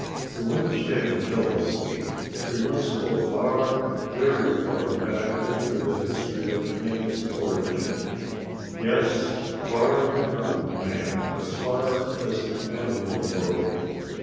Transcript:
To understand jealousy we must go far, very far back into the history of man's origin. Yes, far beyond man, as far as the animal world!